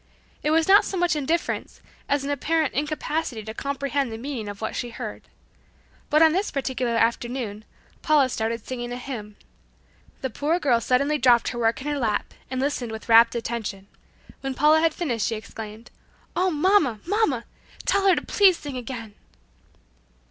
It was not so much indifference as an apparent incapacity to comprehend the meaning of what she heard. But on this particular afternoon Paula started singing a hymn. The poor girl suddenly dropped her work in her lap, and listened with rapt attention. When Paula had finished she exclaimed "Oh, mamma! mamma! Tell her to please sing again."